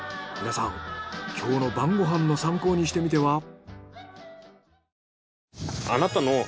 皆さん今日の晩ご飯の参考にしてみては？